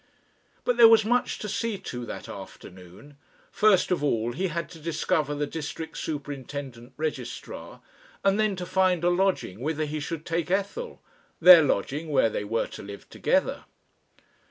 But there was much to see to that afternoon. First of all he had to discover the district superintendent registrar, and then to find a lodging whither he should take Ethel their lodging, where they were to live together.